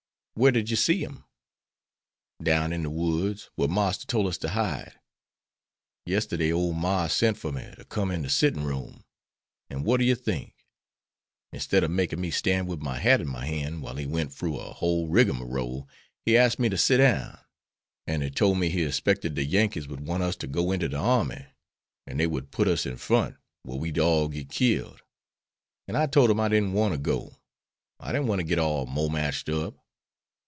"Where did you see 'em?" "Down in de woods whar Marster tole us to hide. Yesterday ole Marse sent for me to come in de settin' room. An' what do you think? Instead ob makin' me stan' wid my hat in my han' while he went froo a whole rigamarole, he axed me to sit down, an' he tole me he 'spected de Yankees would want us to go inter de army, an' dey would put us in front whar we'd all git killed; an' I tole him I didn't want to go, I didn't want to git all momached up.